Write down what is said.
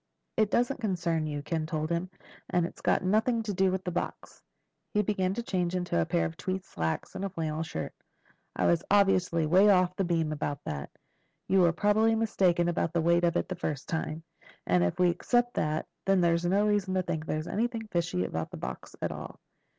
"It doesn't concern you," Ken told him. "And it's got nothing to do with the box." He began to change into a pair of tweed slacks and a flannel shirt. "I was obviously way off the beam about that. You were probably mistaken about the weight of it the first time, and if we accept that, then there's no reason to think there's anything fishy about the box at all."